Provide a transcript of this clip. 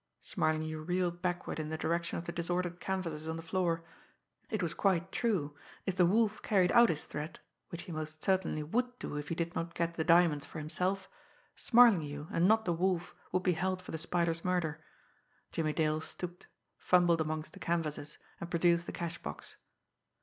Smarlinghue reeled backward in the direction of the disordered canvases on the floor. It was quite true! If the Wolf carried out his threat which he most certainly would do if he did not get the diamonds for himself Smarlinghue, and not the Wolf, would be held for the Spider's murder. Jimmie Dale stooped, fumbled amongst the canvases, and produced the cash box.